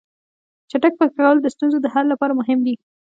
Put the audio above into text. چټک فکر کول د ستونزو د حل لپاره مهم دي.